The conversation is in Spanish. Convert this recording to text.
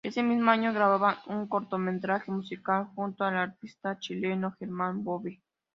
Ese mismo año graban un cortometraje musical junto al artista chileno Germán Bobe.